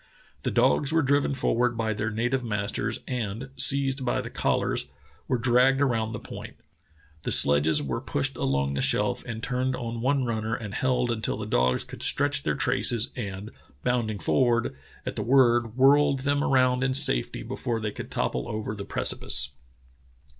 The dogs were driven forward by their native masters and, seized by the collars, were dragged around the point. The sledges were pushed along the shelf and turned on one runner and held until the dogs could stretch their traces and, bounding forward, at the word whirled 134 True Tales of Arctic Heroism them around in safety before they could topple over the precipice."